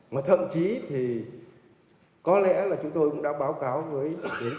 mà thậm chí thì có lẽ là chúng tôi cũng đã báo cáo với tiến kiệm phủ